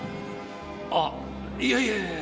あいやいや。